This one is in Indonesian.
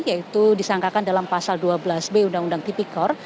yaitu disangkakan dalam pasal dua belas b undang undang tipikor